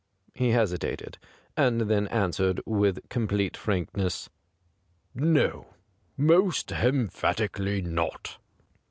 He hesitated, and then answered with complete frankness :* No, most emphatically not.'